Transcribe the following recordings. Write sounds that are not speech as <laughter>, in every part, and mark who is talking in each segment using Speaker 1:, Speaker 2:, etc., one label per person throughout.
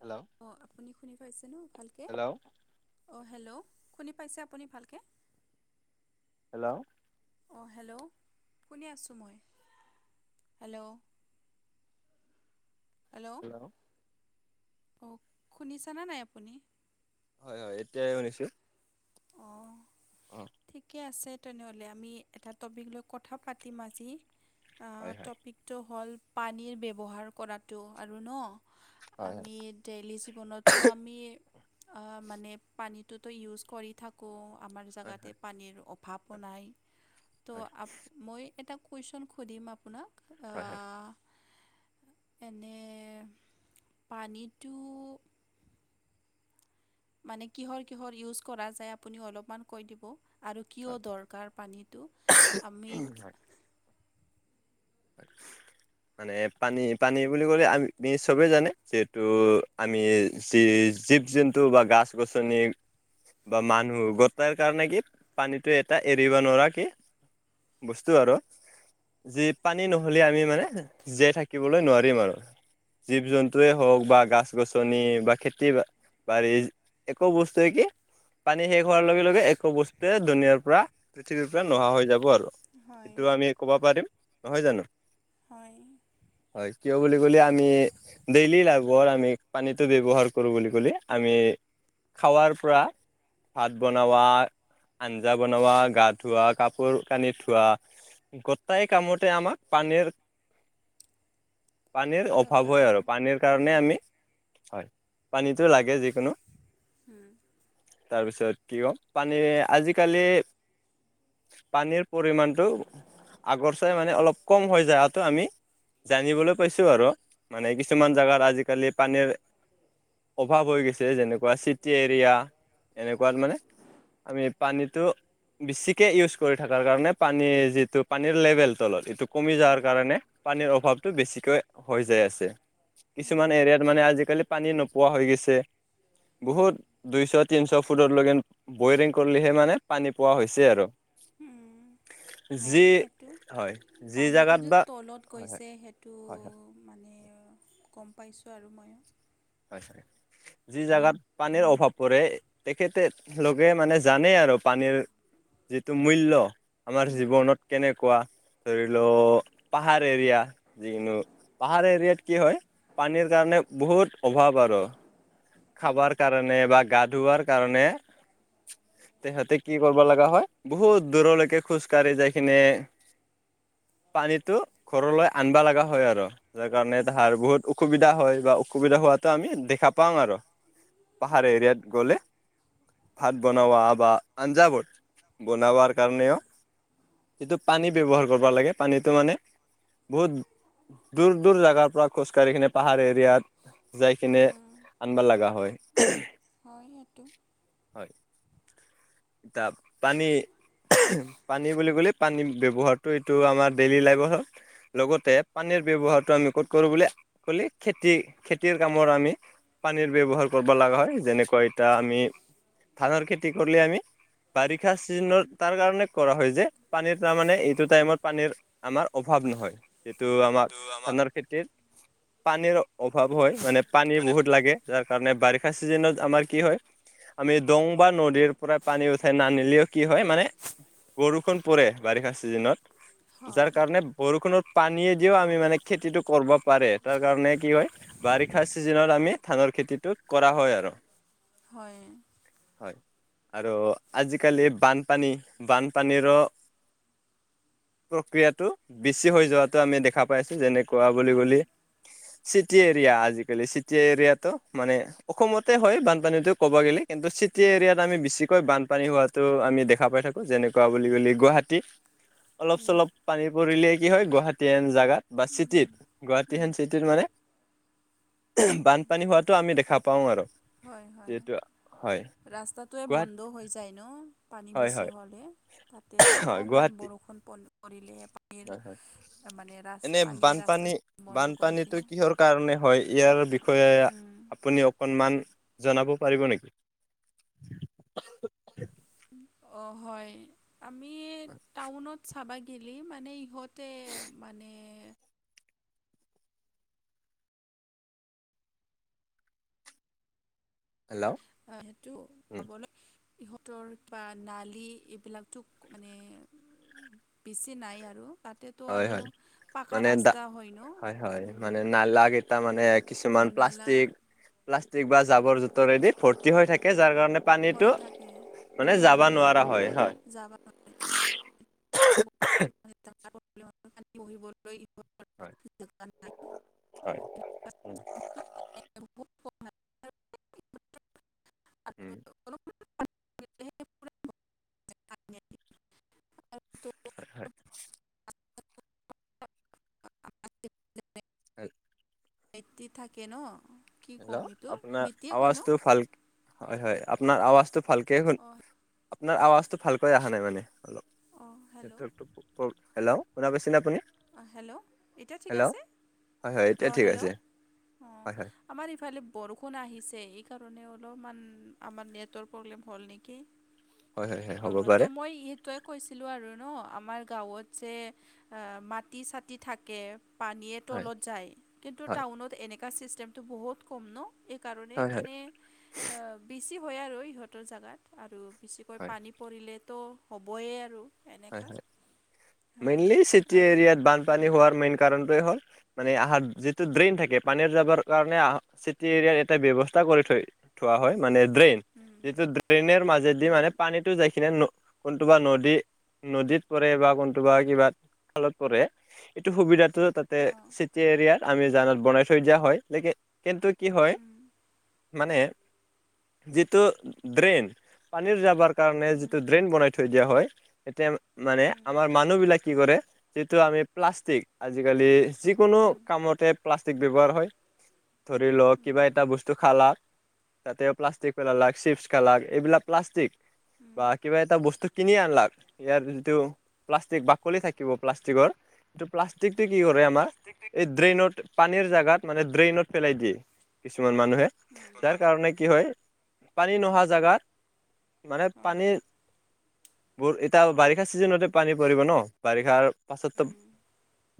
Speaker 1: Hello
Speaker 2: অঁ আপুনি শুনি পাইছে ন ভালকে?
Speaker 1: হেল্ল'
Speaker 2: অঁ হেল্ল', শুনি পাইছে আপুনি ভালকে?
Speaker 1: হেল্ল'।
Speaker 2: অঁ হেল্ল', শুনি আছোঁ মই। হেল্ল'। হেল্ল', অঁ শুনিছানে নাই আপুনি?
Speaker 1: হয় হয় এতিয়াহে শুনিছো।
Speaker 2: অঁ,
Speaker 1: অ
Speaker 2: ঠিকে আছে। তেনে হ'লে আমি এটা টপিক লৈ কথা পাতিম আজি। আঁহ
Speaker 1: হয় হয়
Speaker 2: টপিক টো হ'ল পানীৰ ব্যৱহাৰ কৰাটো আৰু ন'
Speaker 1: হয়
Speaker 2: আমি ডেইলী জীৱনটো আমি মানে পানীটোতো ইউজ কৰি। কৌ আমাৰ
Speaker 1: হয়
Speaker 2: জাগাতে
Speaker 1: হয়
Speaker 2: পানীৰ অ ভাপো
Speaker 1: হয়
Speaker 2: নাই,
Speaker 1: হয়
Speaker 2: ত' মই এটা কুৱেশ্যন সুধিম আপোনাক। ৱা
Speaker 1: হয় হয়
Speaker 2: এনে পানীটো মানে কিহৰ কিহৰ ইউজ কৰা যায় আপুনি অলপমান কৈ দিব আৰু কিয়
Speaker 1: হয়
Speaker 2: দৰকাৰ পানীটো আমি
Speaker 1: হয় <unintelligible> মানে পানী পানী বুলি ক'লে আমি চবেই জানে যিহেতু আমি জী জীৱ জন্তু বা গাছ-গছনি বা মানুহ গোটাই কাৰণে কি পানী টোৱে এটা এৰিব নোৱাৰা কি? বস্তু আৰু যি- পানী নহ'লে আমি মানে জীয়াই থাকিবলৈ নোৱাৰিম আৰু। জীৱ-জন্তুৱেই হওক বা গাছ-গছনি বা খেতি বা বাৰি এই একো বস্তুৱেকে পানী শেষ হোৱাৰ লগে-লগে একো বস্তুয়ে দুনীয়াৰ পৰা পৃথিৱীৰ পৰা নোহোৱা হৈ যাব আৰু।
Speaker 2: হয়
Speaker 1: এইটো আমি ক'ব পাৰিম নহয় জানো।
Speaker 2: হয়।
Speaker 1: হয় কিয় বুলি ক'লে আমি ডেইলি লাভৰ আমি পানীটো ব্যৱহাৰ কৰো বুলি ক'লে আমি খাৱাৰ পৰা ভাত বনোৱা, আঞ্জা বনোৱা, গা ধোৱা কাপোৰ-কানি ধোৱা গোটাই কামোতে আমাক পানীৰ পানীৰ অভাৱ হয় আৰু পানীৰ
Speaker 2: উম,
Speaker 1: কাৰণে আমি 'হয়' পানীটো লাগে যিকোনো
Speaker 2: উম
Speaker 1: তাৰপিছত কিকম পানী আজিকালি পানীৰ পৰিমাণটো নিশ্চয় মানে অলপ কম হৈ যাৱাটো আমি জানিবলৈ পাইছো আৰু মানে কিছুমান জেগাত আজিকালি পানীৰ অভাৱ হৈ গৈছে যেনেকুৱা চিটি এৰিয়া এনেকুৱাত মানে আমি পানীটো বেছিকৈ ইউজ কৰি থকাৰ কাৰণে পানীৰ যিটো পানীৰ লেভেল তলত এইটো কমি যোৱাৰ
Speaker 2: উম,
Speaker 1: কাৰণে পানীৰ অভাৱটো বেছিকৈ হৈ যায় আছে।
Speaker 2: উম,
Speaker 1: কিছুমান এৰিয়াত মানে আজিকালি পানী নোপোৱা হৈ গৈছে। বহুত দুইশত- তিনিশ ফুটলৈকে বইৰিং কৰিলেহে মানে পানী পোৱা হৈছে আৰু
Speaker 2: উম,
Speaker 1: যি
Speaker 2: হয় সেইটো
Speaker 1: হয় যি
Speaker 2: পানীটো
Speaker 1: জাগাত বা
Speaker 2: তলত
Speaker 1: হয় হয়
Speaker 2: গৈছে সেইটো
Speaker 1: হয় হয়
Speaker 2: মানে গম পাইছোঁ আৰু মইয়ো
Speaker 1: হয় হয় যি জেগাত পানীৰ অভাৱ পৰে তেখেতেত লোকে মানে জানে আৰু পানীৰ যিটো মূল্য আমাৰ
Speaker 2: উম,
Speaker 1: জীৱনত কেনেকুৱা ধৰি ল পাহাৰ এৰিয়া যিকোনো পাহাৰ এৰিয়াত কি হয় পানীৰ কাৰণে বহুত অভাৱ আৰু। খাবাৰ কাৰণে বা গা ধূবৰ কাৰণে তেহতে কি কৰিব লগা হয় বহুত দূৰলৈকে খোজ কাঢ়ি যাই কিনে পানীটো ঘৰলৈ আনিব লগা হয় আৰু। তাৰ কাৰণে
Speaker 2: উম,
Speaker 1: তাহাৰ বহুত অসুবিধা হয় বা অসুবিধা হোৱাতো আমি দেখা পাওঁ আৰু। পাহাৰ এৰিয়াত গ'লে ভাত বনাৱা বা আঞ্জাৱবোৰ বনাবোৱাৰ কাৰণেও সেইটো পানী ব্যৱহাৰ কৰিব লাগে পানীটো মানে বহুত দূৰ দূৰ জাগাৰ পৰা খোজকাঢ়ি কিনে পাহাৰ এৰিয়াত যাই কিনে
Speaker 2: উম,
Speaker 1: আনবা লগা হয়।
Speaker 2: হয় সেইটো
Speaker 1: হয় তা পানী পানী বুলি ক'লে পানী ব্যৱহাৰটো এইটো আমাৰ ডেইলি লাইফৰ হক লগতে পানীৰ ব্যৱহাৰটো আমি ক'ত কৰোঁ বুলি কলি খেতি, খেতিৰ কামৰ আমি পানীৰ ব্যৱহাৰ কৰবা লগা হয়। যেনেকে এতিয়া আমি ধানৰ খেতি কৰিলে আমি- বাৰিষা চিজনত তাৰ কাৰণে কৰা হয় যে পানীৰ তাৰমানে এইটো টাইমত পানীৰ- আমাৰ অভাৱ নহয়। এইটো আমাক- ধানৰ খেতিত পানীৰ অভাৱ হয়। মানে পানী বহুত- লাগে যাৰ কাৰণে বাৰিষা চিজনত আমাৰ কি হয়- আমি দং বা নদীৰ পৰা পানী উঠাই নানিলেও কি হয় মানে বৰষুণ পৰে বাৰিষা চিজনত যাৰ
Speaker 2: হয়
Speaker 1: কাৰণে বৰষুণত পানীয় দিও আমি মানে খেতিটো কৰিব পাৰে তাৰ কাৰণে কি হয় বাৰিষা ছিজনত আমি ধানৰ খেতিটো কৰা হয় আৰু।
Speaker 2: হয়।
Speaker 1: হয় আৰু আজিকালি বানপানী বানপানীৰ প্ৰক্ৰিয়াটো বেছি হৈ যোৱাটো আমি দেখা পাই আছো যেনে কোৱা বুলি
Speaker 2: হয়
Speaker 1: গ'লি চিটি এৰিয়া আজিকালি চিটি এৰিয়াটো মানে অসমতে হয় বানপানীটো ক'ব গ'লে কিন্তু চিটি এৰিয়াত আমি বেছিকৈ বানপানী হোৱাত তো আমি দেখা পাই থাকোঁ যেনেকুৱা বুলি ক'লে গুৱাহাটী অলপ চলপ পানী পৰিলে কি হয় গুৱাহাটী এন জেগাত বা চিটিত গুৱাহাটী হেন চিটিত মানে বানপানী হোৱাটো আমি দেখা পাও আৰ।
Speaker 2: হয় হয় ৰাস্তাটোৱে বন্ধ
Speaker 1: গুৱাহাটী
Speaker 2: হৈ যায় ন। পানী
Speaker 1: হয়
Speaker 2: বেছি
Speaker 1: হয়
Speaker 2: হ'লে তাতে
Speaker 1: হয়
Speaker 2: অলপমান
Speaker 1: গুৱাহাটী
Speaker 2: বৰষুণ পন পৰিলে ৰিৰ মানে ৰাচ
Speaker 1: এনে
Speaker 2: পানীয়ে
Speaker 1: বানপানী
Speaker 2: ৰাস্তা বন্ধ কৰি
Speaker 1: বানপানীটো
Speaker 2: দিয়ে।
Speaker 1: কিহৰ কাৰণে হয় ইয়াৰ বিষয়ে আপুনি অকণমান জনাব পাৰিব নেকি?
Speaker 2: অ হয় আমি টাউনত চাবা শিলি মানে ইহঁতে মানে
Speaker 1: হেল্ল'
Speaker 2: অ সেইটো
Speaker 1: উম,
Speaker 2: পাবলৈ ইহঁতৰ বা নালি এইবিলাকতো মানে বেছি নাই আৰু তাত তেত
Speaker 1: হয়
Speaker 2: আৰু
Speaker 1: হয়
Speaker 2: পাকা
Speaker 1: মানে দা
Speaker 2: ৰাস্তা হয় ন
Speaker 1: হয়
Speaker 2: উম
Speaker 1: মানে নালা কেইটা মানে কিছুমান প্লাষ্টিক প্লাষ্টিক বা জাবৰ জোথৰেদি ভৰ্তি হৈ থাকে যাৰ কাৰণে
Speaker 2: হৈ
Speaker 1: পানীটো
Speaker 2: থাকে
Speaker 1: মানে যাব নোৱাৰা হয় হয়।
Speaker 2: যাবা
Speaker 1: হয়
Speaker 2: <unintelligible>
Speaker 1: হয়। উম
Speaker 2: <unintelligible>
Speaker 1: হয় হয়। হয়
Speaker 2: আইটি থাকে ন। কি
Speaker 1: হেল্ল'
Speaker 2: ক'ম এইটো
Speaker 1: আপোনাৰ
Speaker 2: বৃত্তিয়ে কয় ন
Speaker 1: আৱাজটো ভাল, হয় হয় আপোনাৰ আৱাজটো ভালকে
Speaker 2: অঁ
Speaker 1: আপোনাৰ আৱাজটো ভালকৈ অহা নাই মানে অলপ।
Speaker 2: অঁ হেল্ল'
Speaker 1: <unintelligible> হেল্ল শুনা পাইছেনে আপুনি
Speaker 2: অ হেল্ল' এতিয়া ঠিক
Speaker 1: হেল্ল'
Speaker 2: আছে,
Speaker 1: হয় হয়
Speaker 2: অ
Speaker 1: এতিয়া ঠিক
Speaker 2: হেল্ল'
Speaker 1: আছে
Speaker 2: অ।
Speaker 1: হয় হয়
Speaker 2: আমাৰ এইফালে বৰষুণ আহিছে এইকাৰণে অলপমান আমাৰ নেটৱৰ্ক প্ৰব্লেম হ'ল নেকি?
Speaker 1: হয় হয় হয়
Speaker 2: অ
Speaker 1: হ'ব
Speaker 2: ত
Speaker 1: পাৰে
Speaker 2: মই সেইটোৱেই কৈছিলোঁ আৰু ন আমাৰ গাঁৱত যে এ মাটি-চাটি থাকে পানীয়ে
Speaker 1: হয়
Speaker 2: তলত যায় কিন্তু
Speaker 1: হয়
Speaker 2: টাউনত এনেকুৱা ছিষ্টেমটো বহুত কম ন এক কাৰণে
Speaker 1: হয় হয়
Speaker 2: মানে অ'- বেছি হয় আৰু ইহঁতৰ জাগাত। আৰু বেছিকৈ
Speaker 1: হয়
Speaker 2: পানী পৰিলেতো হ'বই আৰু
Speaker 1: হয়
Speaker 2: এনেকুৱা
Speaker 1: হয়
Speaker 2: হয়।
Speaker 1: মেইনলি চিটি
Speaker 2: আৰু
Speaker 1: এৰিয়াত বানপানী
Speaker 2: উম
Speaker 1: হোৱাৰ মেইন কাৰণটোৱে হ'ল মানে আহাত যিটো ড্ৰেইন থাকে, পানীৰ যাবৰ কাৰণে আহ- চিটি এৰিয়াত এটা ব্যৱস্থা কৰি থয় থোৱা হয় মানে ড্ৰেইন।
Speaker 2: উম,
Speaker 1: যিটো ড্ৰেইনেৰ মাজেদি
Speaker 2: উম,
Speaker 1: মানে পানীটো যাই কিনে ন- কোনটোবা নদী নদীত পৰে বা কোনটোবা কিবা খালত পৰে, এইটো সুবিধাটো তাতে
Speaker 2: অ,
Speaker 1: চি টি এৰিয়াত আমি জানাত বনাই থৈ দিয়া হয়। লেকে- কিন্তু কি হয়,
Speaker 2: উম,
Speaker 1: মানে যিটো ড্ৰেইন, পানীৰ যাবাৰ কাৰণে
Speaker 2: উম,
Speaker 1: যিটো ড্ৰেইন বনাই থৈ দিয়া হয় এতিয়া মানে
Speaker 2: উম,
Speaker 1: আমাৰ মানুহবিলাক কি কৰে, যিটো আমি প্লাষ্টিক আজিকালি যিকোনো
Speaker 2: উম,
Speaker 1: কামতে প্লাষ্টিক ব্যৱহাৰ হয়। ধৰি ল, কিবা
Speaker 2: উম,
Speaker 1: এটা বস্তু খালাক তাতে প্লাষ্টিক পেলালাক, চিপছ খালাক, এইবিলাক প্লাষ্টিক বা
Speaker 2: উম,
Speaker 1: কিবা এটা বস্তু কিনি আনলাক। ইয়াৰ যিটো প্লাষ্টিক- বাকলি থাকিব প্লাষ্টিকৰ এইটো প্লাষ্টিকটো কি কৰে আমাৰ, এই ড্ৰেইনত পানীৰ জাগাত মানে ড্ৰেইনত পেলাই দিয়ে কিছুমান মানুহে,
Speaker 2: উম,
Speaker 1: যাৰ
Speaker 2: মানুহ
Speaker 1: কাৰণে কি হয়, পানী নহা জাগাত মানে
Speaker 2: হয়
Speaker 1: পানী বোৰ এতিয়া আৰু বাৰিষা ছিজনতে পানী পৰিব ন', বাৰিষাৰ পাছততো
Speaker 2: উম,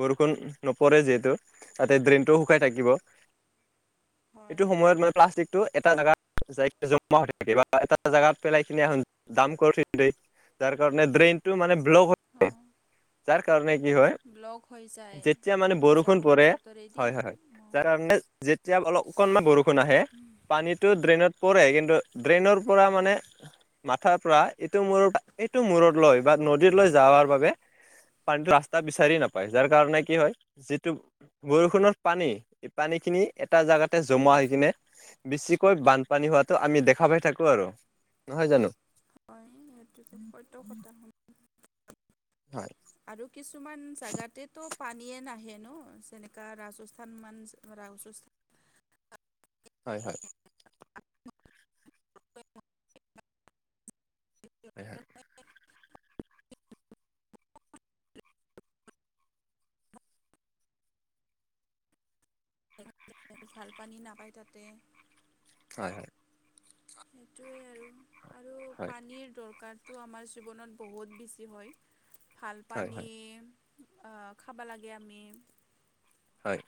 Speaker 1: বৰষুণ নপৰে যিহেতু, তাতে ড্ৰেইনটো শুকাই থাকিব। এইটো
Speaker 2: হয়
Speaker 1: সময়ত মানে প্লাষ্টিক টো এটা জাগাত যাই জমা হৈ থাকে বা এটা জাগাত পেলাই কিনে এখন দাম কৰি থৈ দে। সেইকাৰণে ড্ৰেইনটো মানে ব্লক হৈ থাকে।
Speaker 2: অ।
Speaker 1: যাৰ কাৰণে কি হয়,
Speaker 2: ব্লক হৈ যায়
Speaker 1: যেতিয়া মানে বৰষুণ
Speaker 2: জাবৰ
Speaker 1: পৰে,
Speaker 2: জোঁথৰেদি
Speaker 1: হয়-হয় যাৰ কাৰণে যেতিয়া অলপ অকণমান বৰষুণ আহে, পানীটো ড্ৰেইনত পৰে, কিন্তু ড্ৰেইনৰ পৰা মানে মাথাৰ পৰা এইটো মুৰ এইটো মূৰত লৈ বা নদীৰলৈ যাৱাৰ বাবে পানীটো ৰাস্তা বিচাৰি নাপায়। যাৰ কাৰণে কি হয়, যিটো বৰষুণৰ পানী, এই পানীখিনি এটা জাগাতে জমা হৈ কিনে বেছিকৈ বানপানী হোৱাটো আমি দেখা পাই থাকোঁ আৰু, নহয় জানো?
Speaker 2: সেইটোতো সত্য কথা
Speaker 1: হয়।
Speaker 2: আৰু কিছুমান জাগাতেতো পানীয়ে নাহে ন', যেনেকা ৰাজস্থান মান- ৰাজ
Speaker 1: হয়-হয়।
Speaker 2: <unintelligible> <inaudible>
Speaker 1: হয়-হয়।
Speaker 2: <inaudible> ভাল পানী নাপায় তাতে।
Speaker 1: হয়-হয়।
Speaker 2: সেইটোৱে আৰু। আৰু
Speaker 1: হয়
Speaker 2: পানীৰ দৰকাৰ টো আমাৰ জীৱনত বহুত বেছি হয়। ভাল
Speaker 1: হয়
Speaker 2: পানী
Speaker 1: হয়
Speaker 2: অ'- খাবা লাগে আমি।
Speaker 1: হয়।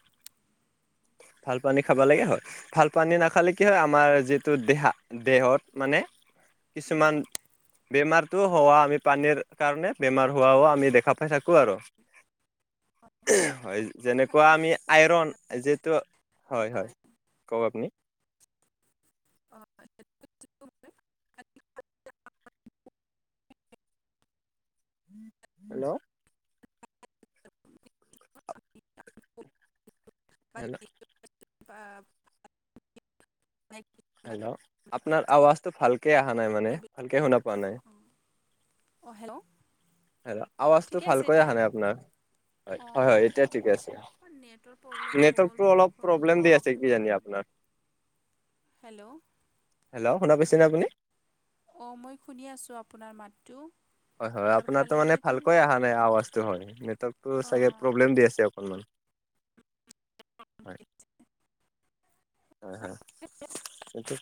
Speaker 1: ভাল পানী খাবা লাগে হয়। ভাল পানী নাখালে কি হয়, আমাৰ যিটো দেহা- দেহত মানে কিছুমান বেমাৰটো হোৱা- আমি পানীৰ কাৰণে বেমাৰ হোৱাও আমি দেখা পাই থাকোঁ আৰু। হয় কোৱা আমি আইৰণ যিহেতু- হয়-হয়, কওঁক আপুনি।
Speaker 2: অ <unintelligible> <inaudible>
Speaker 1: হেল্ল'।
Speaker 2: <unintelligible> <unintelligible> <unintelligible> <inaudible> <unintelligible>
Speaker 1: হেল্ল'? আপোনাৰ আৱাজটো ভালকে আহা নাই মানে। ভালকে শুনা পোৱা নাই।
Speaker 2: অঁ হেল্ল'।
Speaker 1: হেল্ল' আৱাজটো
Speaker 2: ঠিকে আছে
Speaker 1: ভালকৈ
Speaker 2: এতিয়া
Speaker 1: অহা নাই আপোনাৰ হয় হয় হয়
Speaker 2: অ',
Speaker 1: এতিয়া ঠিকে আছে।
Speaker 2: নেটৰ প্ৰব্লেম হ'ল
Speaker 1: নেটৱৰ্কটো অলপ
Speaker 2: বৰষুণ আহিলে
Speaker 1: প্ৰব্লেম দি আছে
Speaker 2: সেইকাৰণে।
Speaker 1: কিজানি আপোনাৰ
Speaker 2: হেল্ল'।
Speaker 1: হেল্ল' শুনা পাইছেনে আপুনি?
Speaker 2: অঁ মই শুনিয়ে আছোঁ আপোনাৰ মাতটো।
Speaker 1: হয় হয়
Speaker 2: মোৰ
Speaker 1: আপোনাৰটো মানে
Speaker 2: ফালেহেদি
Speaker 1: ভালকৈ অহা নাই আৱাজটো হয়। নেটৱৰ্কটো
Speaker 2: অ',
Speaker 1: চাগে প্ৰব্লেম দি আছে অকণমান। হয়। হয় হয় এইটো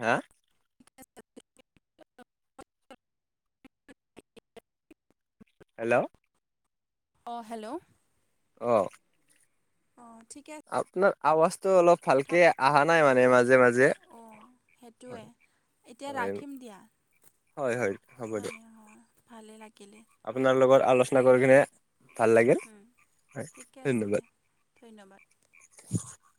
Speaker 1: হা
Speaker 2: <unintelligible>
Speaker 1: হেল্ল'।
Speaker 2: অঁ হেল্ল'।
Speaker 1: কৱক
Speaker 2: অঁ ঠিকে
Speaker 1: আপোনাৰ আৱাজটো অলপ
Speaker 2: কথা
Speaker 1: ভালকে আহা নাই মানে মাজে মাজে।
Speaker 2: টোৱে
Speaker 1: হয়
Speaker 2: এতিয়া
Speaker 1: হয়
Speaker 2: ৰাখিম দিয়া।
Speaker 1: হয় হয় হ'ব। দিয়ক
Speaker 2: মানে হয় ভালেই লাগিলে
Speaker 1: আপোনাৰ লগত আলোচনা কৰি কিনে ভাল লাগিল হয়
Speaker 2: ঠিকে আছে
Speaker 1: ধন্যবাদ।
Speaker 2: দিয়া ধন্যবাদ।
Speaker 1: <unintelligible>